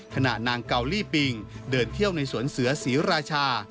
นางเกาลี่ปิงเดินเที่ยวในสวนเสือศรีราชา